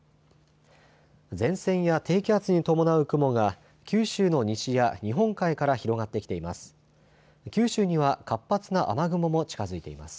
前線や低気圧に伴う雲が九州の西や日本海から広がってきています。